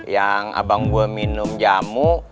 yang abang gue minum jamu